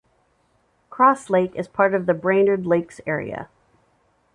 Crosslake is part of the Brainerd Lakes Area.